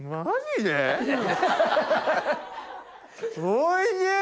おいしい！